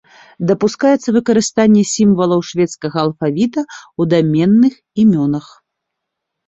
Дапускаецца выкарыстанне сімвалаў шведскага алфавіта ў даменных імёнах.